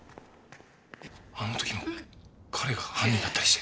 あの時の彼が犯人だったりして。